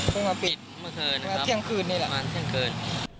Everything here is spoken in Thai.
พึ่งมาปิดเมื่อเชิญครับเที่ยงคืนนี่แหละเที่ยงเกิน